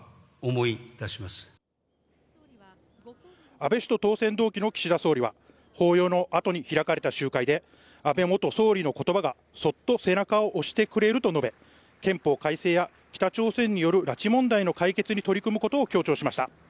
安倍氏と当選同期の岸田総理は法要のあとに開かれた集会で安倍元総理の言葉がそっと背中を押してくれると述べ、憲法改正や北朝鮮による拉致問題の解決に取り組むことを強調しました。